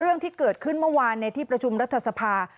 เรื่องที่เกิดขึ้นเมื่อวานในที่ประชุมรัฐสภา